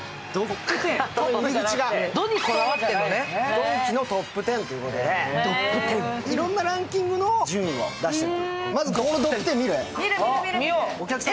ドンキのトップ１０ということで、いろいろなランキングを出してる。